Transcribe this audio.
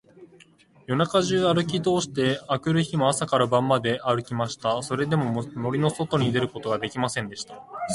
夜中じゅうあるきとおして、あくる日も朝から晩まであるきました。それでも、森のそとに出ることができませんでした。